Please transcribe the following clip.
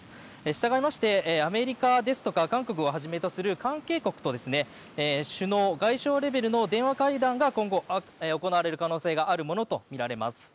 従いましてアメリカですとか韓国をはじめとする関係国と首脳・外相レベルの電話会談が今後、行われる可能性があるものとみられます。